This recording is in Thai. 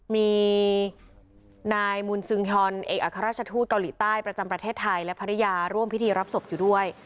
มีนายมุนซึงฮอนเอกอัครราชทูตเกาหลีใต้ประจำประเทศไทยและภรรยาร่วมพิธีรับศพอยู่ด้วย